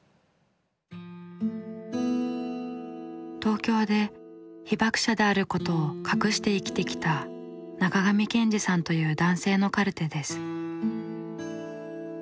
東京で被爆者であることを隠して生きてきた中上賢治さんという男性のカルテです。